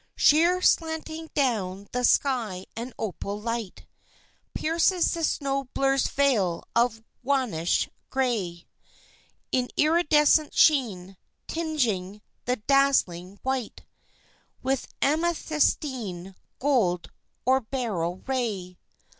Sheer slanting down the sky an opal light Pierces the snow blur's veil of wannish gray, In iridescent sheen, tingeing the dazzling white With amethystine, gold or beryl ray.